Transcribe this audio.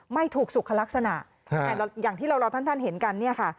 ไม่ถูกสุขลักษณะแต่อย่างที่เรารอท่านท่านเห็นกันเนี่ยค่ะ